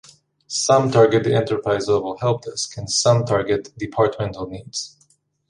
Some target the enterprise level help desk and some target departmental needs.